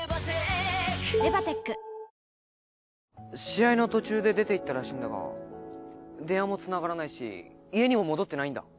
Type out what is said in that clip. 試合の途中で出て行ったらしいんだが電話もつながらないし家にも戻ってないんだ